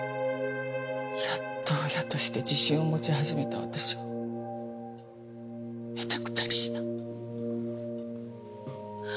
やっと親として自信を持ち始めた私をめちゃくちゃにした。